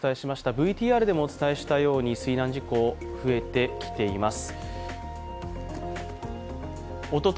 ＶＴＲでもお伝えしたように水難事故、増えてきています。